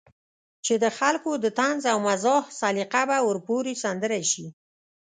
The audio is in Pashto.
چې د خلکو د طنز او مزاح سليقه به ورپورې سندره شي.